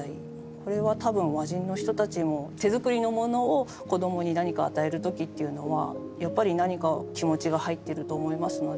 これは多分和人の人たちも手作りのものを子供に何か与える時っていうのはやっぱり何か気持ちが入ってると思いますので。